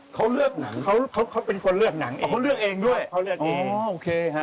เขาเลือกหนังเขาเขาเป็นคนเลือกหนังเองเขาเลือกเองด้วยเขาเลือกเองโอเคฮะ